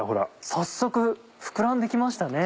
早速膨らんで来ましたね。